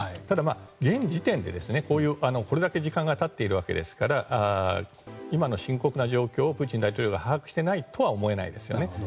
ただ現時点で、これだけ時間が経っているわけですから今の深刻な状況をプーチン大統領が把握していないとは思えないですね。